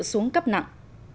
xuống cấp nặng